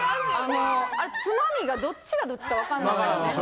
あれつまみがどっちがどっちか分かんない。